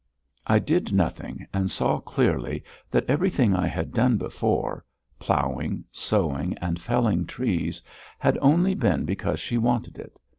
I did nothing and saw clearly that everything I had done before, ploughing, sowing, and felling trees, had only been because she wanted it.